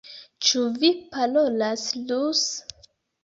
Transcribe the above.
Ĉu vi parolas ruse?